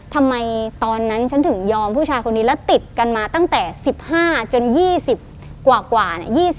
ทำไมตอนนั้นฉันถึงยอมผู้ชายคนนี้แล้วติดกันมาตั้งแต่๑๕จน๒๐กว่า